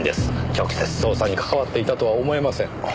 直接捜査に関わっていたとは思えません。